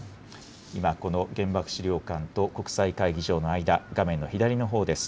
今、この原爆資料館と国際会議場の間、画面の左のほうです。